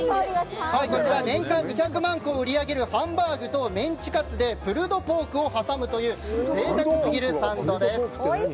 年間２００万個売り上げるハンバーグとメンチカツでプルドポークを挟むという贅沢すぎるサンドです。